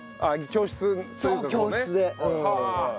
ああ教室